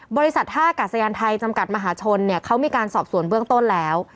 บริษัทท่ากาศยานไทยจำกัดมหาชนเนี่ยเขามีการสอบสวนเบื้องต้นแล้ว